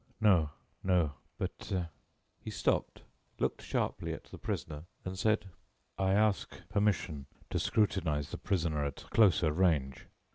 "No, no, but " He stopped, looked sharply at the prisoner, and said: "I ask permission to scrutinize the prisoner at closer range.